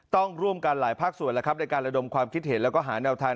ต้องร่วมกันหลายภาคส่วนแล้วครับในการระดมความคิดเห็นแล้วก็หาแนวทาง